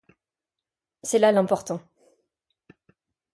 C'est là l'important.